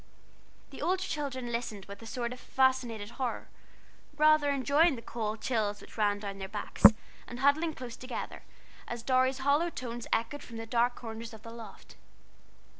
The older children listened with a sort of fascinated horror, rather enjoying the cold chills which ran down their backs, and huddling close together, as Dorry's hollow tones echoed from the dark corners of the loft.